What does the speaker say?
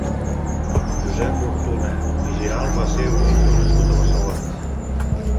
Josep Hurtuna i Giralt va ser un pintor nascut a Barcelona.